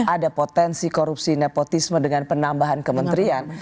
ada potensi korupsi nepotisme dengan penambahan kementerian